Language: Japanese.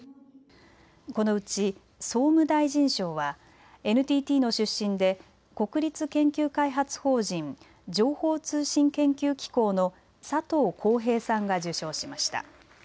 このうち総務大臣賞はＮＴＴの出身で国立研究開発法人情報通信研究機構の佐藤孝平さんが受賞しました。